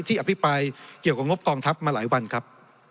อภิปรายเกี่ยวกับงบกองทัพมาหลายวันครับ